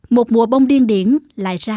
một mùa bông điên điển lại ra qua